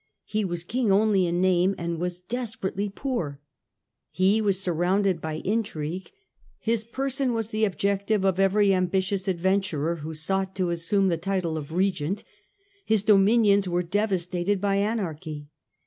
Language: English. He was king only in name, and was desperately poor ; he was surrounded by intrigue ; his person was the objective of every ambitious adventurer who sought to assume the title of Regent ; his dominions were devastated by anarchy.